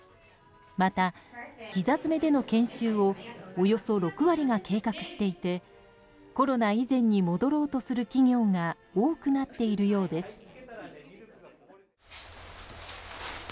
また、ひざ詰めでの研修をおよそ６割が計画していてコロナ以前に戻ろうとする企業が多くなっているようです。